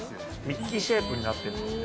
ミッキーシェイプになっているんです。